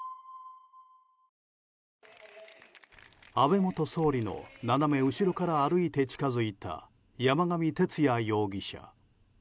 安倍元総理の斜め後ろから歩いて近づいた山上徹也容疑者。